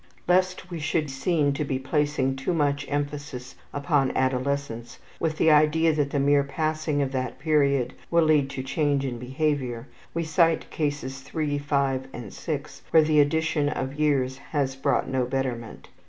Lest we should seem to be placing too much emphasis upon adolescence, with the idea that the mere passing of that period will lead to change in behavior, we cite Cases 3, 5, and 6, where the addition of years has brought no betterment.